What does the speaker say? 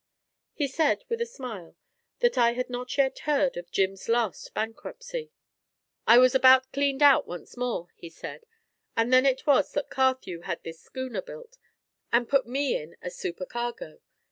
He said, with a smile, that I had not yet heard of Jim's last bankruptcy. "I was about cleaned out once more," he said; "and then it was that Carthew had this schooner built, and put me in as supercargo.